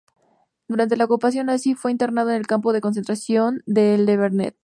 Durante la ocupación nazi fue internado en el campo de concentración de Le Vernet.